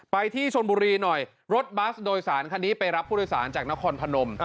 ไปที่ชนบุรีหน่อยรถบัสโดยสารคันนี้ไปรับผู้โดยสารจากนครพนม